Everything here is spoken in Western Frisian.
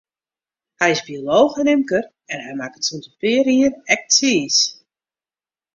Hy is biolooch en ymker, en hy makket sûnt in pear jier ek tsiis.